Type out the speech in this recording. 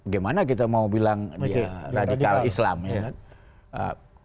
gimana kita mau bilang dia radikal islam ya kan